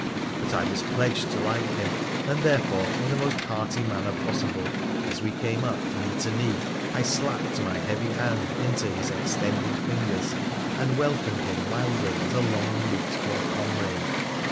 ' But I was pledged to like him, and therefore, in the most hearty manner possible, as we came up knee to knee, I slapped my heavy hand into his extended fingers and welcomed him loudly as a long looked for comrade.